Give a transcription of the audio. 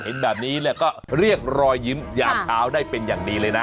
เห็นแบบนี้เนี่ยก็เรียกรอยยิ้มยามเช้าได้เป็นอย่างดีเลยนะ